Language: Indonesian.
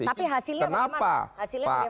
tapi hasilnya bagaimana